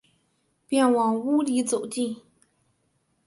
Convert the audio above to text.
便往屋里走进